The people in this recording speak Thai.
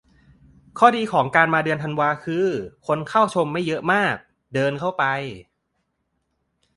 ข้อดีของการมาเดือนธันวาคือ คนเข้าชมไม่เยอะมาก เดินเข้าไป